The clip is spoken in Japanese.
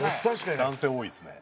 男性多いっすね。